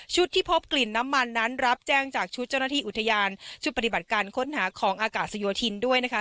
ที่พบกลิ่นน้ำมันนั้นรับแจ้งจากชุดเจ้าหน้าที่อุทยานชุดปฏิบัติการค้นหาของอากาศโยธินด้วยนะคะ